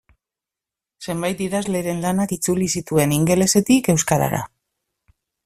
Zenbait idazleren lanak itzuli zituen ingelesetik euskarara.